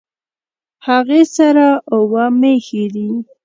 هغې سره اووه مېښې دي